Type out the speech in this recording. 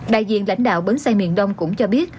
đại diện lãnh đạo bến xe miền đông cũng cho biết